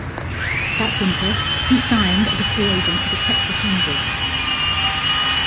That winter, he signed as a free agent with the Texas Rangers.